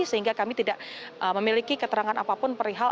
sehingga kami tidak memiliki keterangan apapun perihal